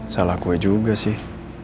salah gue juga sih